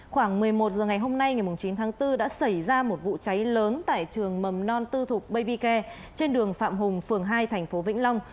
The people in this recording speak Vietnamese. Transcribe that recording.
khoảng một mươi một h ngày hôm nay ngày chín tháng bốn đã xảy ra một vụ cháy lớn tại trường mầm non tư thục babicare trên đường phạm hùng phường hai thành phố vĩnh long